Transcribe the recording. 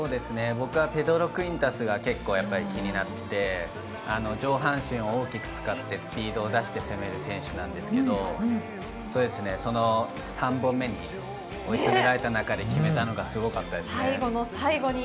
ペドロ・クゥインタスが気になっていて、上半身を大きく使ってスピードを出して攻める選手ですが、３本目に追い詰められた中で決めたのがすごかったです。